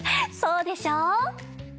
そうでしょ？